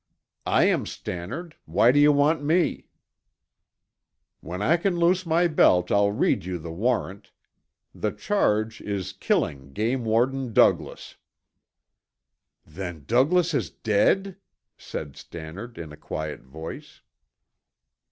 "I am Stannard. Why do you want me?" "When I can loose my belt I'll read you the warrant. The charge is killing game warden Douglas." "Then Douglas is dead?" said Stannard in a quiet voice.